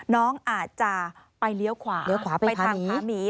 น้องอาจจะไปเลี้ยวขวาไปทางผาหมี